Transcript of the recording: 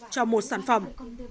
cho một sản phẩm